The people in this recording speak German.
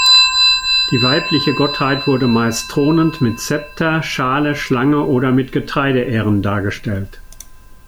Die weibliche Gottheit wurde meist thronend mit Zepter, Schale, Schlange oder mit Getreideähren dargestellt.